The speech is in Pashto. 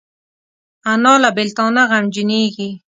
انا له بیلتانه غمجنېږي